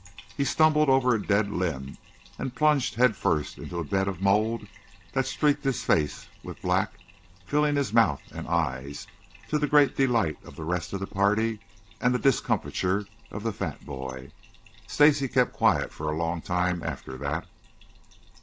He stumbled over a dead limb and plunged head first into a bed of mold that streaked his face with black, filling his mouth and eyes, to the great delight of the rest of the party and the discomfiture of the fat boy. Stacy kept quiet for a long time after that.